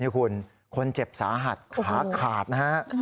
นี่คุณคนเจ็บสาหัสขาขาดนะฮะ